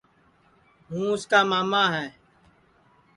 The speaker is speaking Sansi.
ہوں اُس کا ماما ہے